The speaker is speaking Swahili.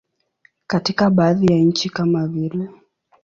Katika baadhi ya nchi kama vile.